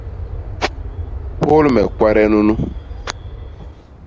Hôl me kwade nunu!